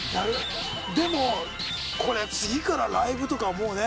でもこれ次からライブとかもうね。